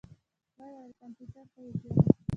ويې ويل کمپيوټر ته وګوره.